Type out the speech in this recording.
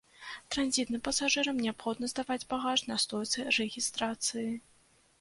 Транзітным пасажырам неабходна здаваць багаж на стойцы рэгістрацыі.